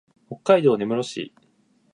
北海道根室市